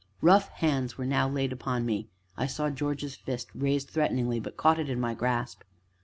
Rough hands were now laid upon me; I saw George's fist raised threateningly, but caught it in my grasp.